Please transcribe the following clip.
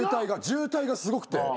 渋滞がすごくて。